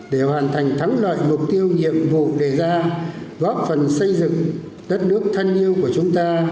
để hoàn thành thắng lợi mục tiêu nhiệm vụ đề ra góp phần xây dựng đất nước thân yêu của chúng ta